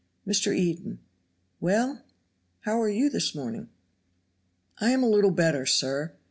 Mr. Eden. "Well, , how are you this morning?" "I am a little better, sir.